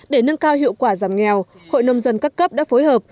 để nâng cao hiệu quả giảm nghèo hội nông dân các cấp đã phối hợp